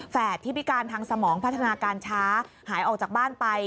ที่พิการทางสมองพัฒนาการช้าหายออกจากบ้านไป